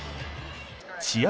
試合